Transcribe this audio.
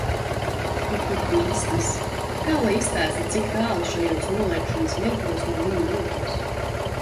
Varbūt bīstas? Kā lai izstāsta, cik tālu šajos noliegšanas mirkļos no viņa jūtos?